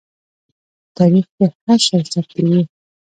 په تاریخ کې هر شی ثبتېږي.